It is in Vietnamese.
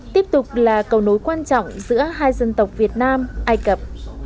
tiếp tục là cầu nối quan trọng giữa hai dân tộc việt nam ai cập